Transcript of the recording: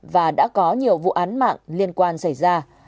và đã có nhiều vụ án mạng liên quan xảy ra